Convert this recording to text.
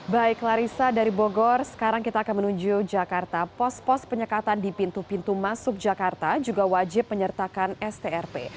baik larissa dari bogor sekarang kita akan menuju jakarta pos pos penyekatan di pintu pintu masuk jakarta juga wajib menyertakan strp